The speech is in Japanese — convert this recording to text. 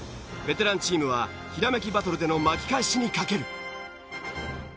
ベテランチームはひらめきバトルでの巻き返しにかける。